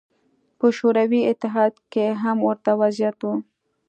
په شوروي اتحاد کې هم ورته وضعیت و.